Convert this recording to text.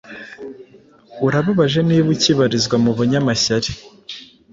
Urababaje niba ukibarizwa mubanyamashyari